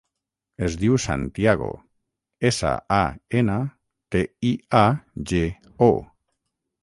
Es diu Santiago: essa, a, ena, te, i, a, ge, o.